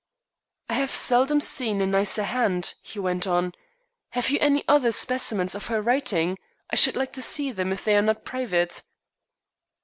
"I have seldom seen a nicer hand," he went on. "Have you any other specimens of her writing? I should like to see them if they are not private."